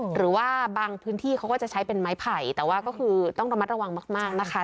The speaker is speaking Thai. หรือว่าบางพื้นที่เขาก็จะใช้เป็นไม้ไผ่แต่ว่าก็คือต้องระมัดระวังมากนะคะ